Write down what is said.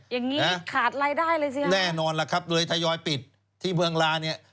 อย่างนี้ขาดรายได้เลยสิฮะแน่นอนล่ะครับเลยทยอยปิดที่เมืองลาเนี่ย